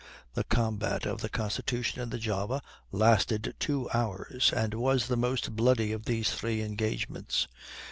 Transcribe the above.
The combat of the Constitution and the Java lasted two hours, and was the most bloody of these three engagements.